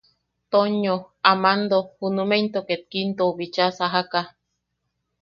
Toño, Amando junume into ket Kintou bicha sajaka.